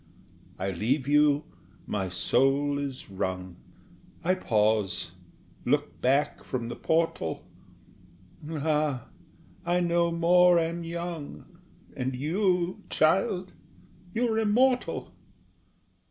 I leave you; my soul is wrung; I pause, look back from the portal Ah, I no more am young, and you, child, you are immortal!